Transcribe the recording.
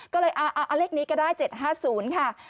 ก็เลยเอาเลขนี้ก็ได้๗๕๐ค่ะ